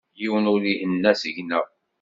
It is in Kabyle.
Yiwen ur ihenna seg-neɣ.